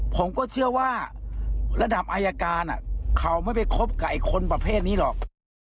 ผมก็เชื่อว่าระดับอายการเขาไม่ไปคบกับไอ้คนประเภทนี้หรอก